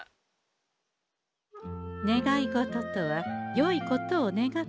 願い事とはよいことを願ってこそ。